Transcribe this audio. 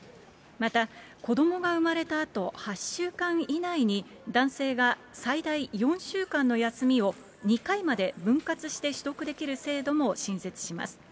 また、子どもが産まれたあと、８週間以内に男性が最大４週間の休みを、２回まで分割して取得できる制度も新設します。